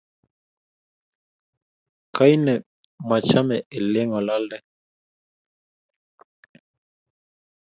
Kainee mechame olengalaldoi?